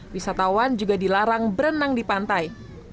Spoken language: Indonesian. wisatawan juga dilarang berenang di pantai